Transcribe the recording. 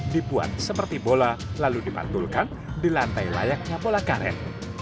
dibuat seperti bola lalu dipantulkan di lantai layaknya bola karet